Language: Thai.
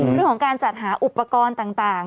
เรื่องของการจัดหาอุปกรณ์ต่าง